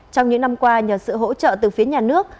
trong những năm qua nhờ sự hỗ trợ từ phía nhà nước